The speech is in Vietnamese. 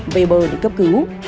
về bờ để cấp cứu